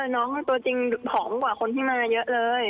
น้องตัวจริงผอมกว่าคนที่มาเยอะเลย